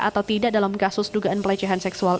atau tidak dalam kasus dugaan pelecehan seksual